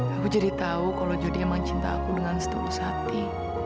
aku jadi tahu kalau jadi emang cinta aku dengan setulus hati